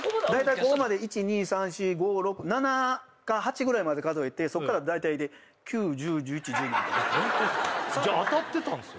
ここまで１２３４５６７か８ぐらいまで数えてそっからだいたいで９１０１１１２ホントですか当たってたんですよ